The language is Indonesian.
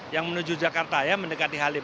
yang menuju jakarta ya mendekati halim